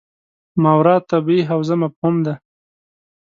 ماورا الطبیعي حوزه مفهوم دی.